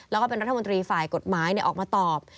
แล้วก็เป็นรัฐมนตรีฝ่ายกฎหมายออกมาตอบ